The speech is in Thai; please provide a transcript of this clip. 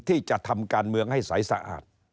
ที่จะทำการเมืองให้ใสสะอาด